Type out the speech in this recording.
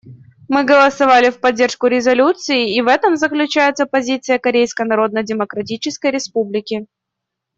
Мы голосовали в поддержку резолюции, и в этом заключается позиция Корейской Народно-Демократической Республики.